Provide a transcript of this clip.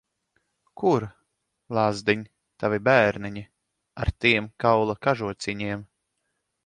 Kur, lazdiņ, tavi bērniņi, ar tiem kaula kažociņiem?